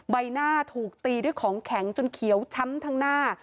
ใบหน้าถูกตีด้วยของแข็งจนเขียวช้ำทั้งหน้า